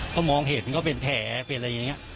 เห็นก็เป็นแผลเป็นอะไรอย่างเงี้ย